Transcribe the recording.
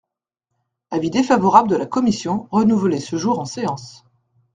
Avis défavorable de la commission, renouvelé ce jour en séance.